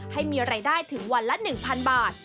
ให้มีรายได้ถึงวันละ๑๐๐๐บาท